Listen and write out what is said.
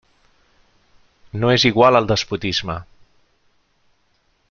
No és igual el despotisme.